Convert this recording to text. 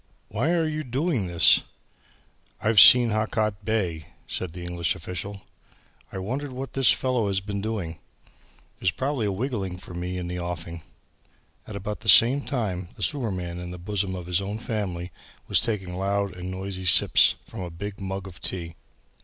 "Why are you doing this!" "I've seen Hakaat Bey," said the English official. "I wonder what this fellow has been doing? There is probably a wigging for me in the offing." At about the same time the sewerman in the bosom of his own family was taking loud and noisy sips from a big mug of tea.